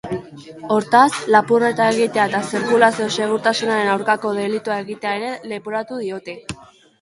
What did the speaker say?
Hortaz, lapurreta egitea eta zirkulazio-segurtasunaren aurkako delitua egitea ere leporatu diote.